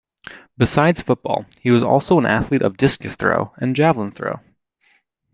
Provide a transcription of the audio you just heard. Beside football, he was also an athlete of discus throw and javelin throw.